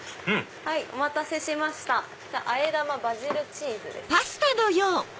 お待たせしました和玉バジルチーズです。